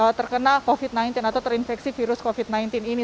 jadi kita harus melakukan proses yang tepat untuk terinfeksi virus covid sembilan belas ini